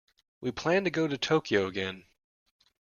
We plan to go to Tokyo again.